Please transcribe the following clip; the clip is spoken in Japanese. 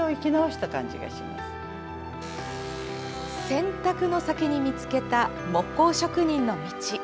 選択の先に見つけた木工職人の道。